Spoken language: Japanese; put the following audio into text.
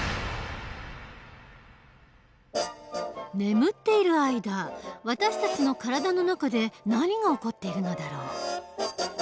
眠っている間私たちの体の中で何が起こっているのだろう？